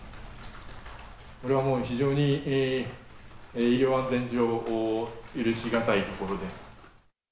これはもう非常に医療安全上、許し難いところで。